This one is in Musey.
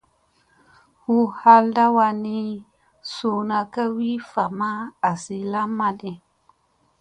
Hu halɗa wanni, suuna ka wi vami a asi lamma di.